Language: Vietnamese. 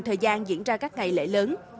thời gian diễn ra các ngày lễ lớn